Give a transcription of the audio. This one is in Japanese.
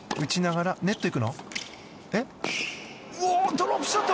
ドロップショット